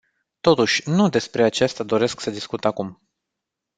Totuși, nu despre aceasta doresc să discut acum.